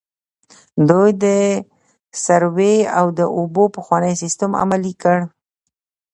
دوی د سروې او د اوبو پخوانی سیستم عملي کړ.